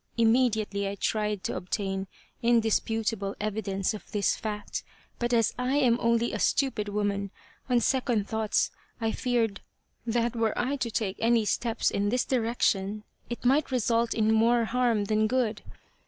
Immediately I tried to obtain in disputable evidence of this fact, but as I am only a stupid woman, on second thoughts I feared that were I to take any steps in this direction it might result in more harm than good.